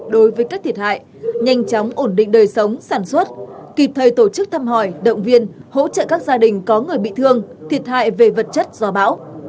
đối với các thiệt hại nhanh chóng ổn định đời sống sản xuất kịp thời tổ chức thăm hỏi động viên hỗ trợ các gia đình có người bị thương thiệt hại về vật chất do bão